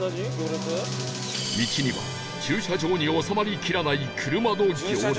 道には駐車場に収まりきらない車の行列